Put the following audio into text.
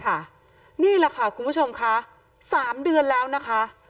นี่แหละค่ะคุณผู้ชมค่ะ๓เดือนแล้วนะคะ